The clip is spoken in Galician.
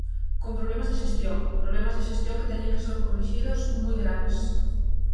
Con problemas de xestión, problemas de xestión que teñen que ser corrixidos, moi graves.